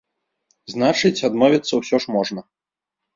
Значыць, адмовіцца ўсё ж можна!